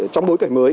trong bối cảnh mới